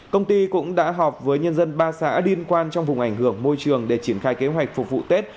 công ty cũng đã họp với nhân dân ba xã liên quan trong vùng ảnh hưởng môi trường để triển khai kế hoạch phục vụ tết